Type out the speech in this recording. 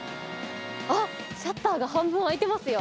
あっ、シャッターが半分開いてますよ。